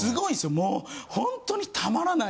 もうほんとにたまらない！